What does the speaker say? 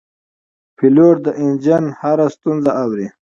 پیلوټ د انجن هره ستونزه اوري.